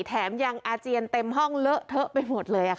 แถมยังอาเจียนเต็มห้องเลอะเทอะไปหมดเลย